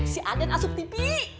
si aden asuk tv